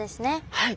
はい。